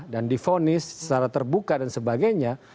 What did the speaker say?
difonis secara terbuka dan sebagainya